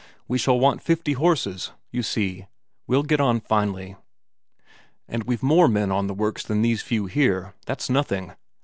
We shall want fifty horses you see, we'll get on finely. And we've more men on the works than these few here that's nothing.